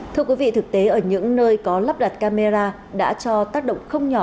thưa quý vị thực tế ở những nơi có lắp đặt camera đã cho tác động không nhỏ